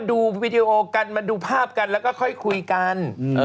ดูวีดีโอกันมาดูภาพกันแล้วก็ค่อยคุยกัน